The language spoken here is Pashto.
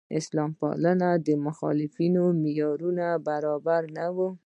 اسلام پاله مخالفان معیارونو برابر نه وو.